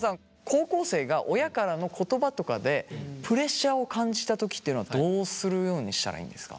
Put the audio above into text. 高校生が親からの言葉とかでプレッシャーを感じた時っていうのはどうするようにしたらいいんですか？